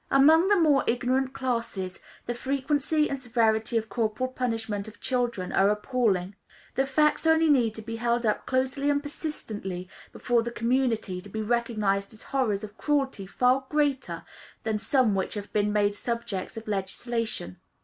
Among the more ignorant classes, the frequency and severity of corporal punishment of children, are appalling. The facts only need to be held up closely and persistently before the community to be recognized as horrors of cruelty far greater than some which have been made subjects of legislation.